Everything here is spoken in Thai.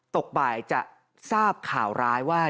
ตกบ่ายจะทราบข่าวร้ายว่า